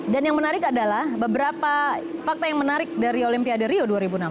dan yang menarik adalah beberapa fakta yang menarik dari olimpiade rio dua ribu enam belas